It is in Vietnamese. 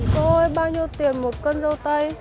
trời ơi bao nhiêu tiền một cân rau tây